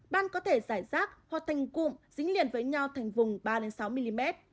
ban có thể giải rác hoặc thành cụm dính liền với nhau thành vùng ba sáu mm